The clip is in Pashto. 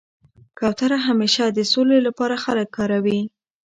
کوتره همېشه د سولي له پاره خلک کاروي.